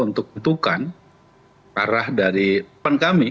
untuk menentukan arah dari depan kami